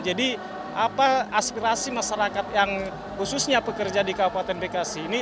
jadi apa aspirasi masyarakat yang khususnya pekerja di kabupaten bekasi ini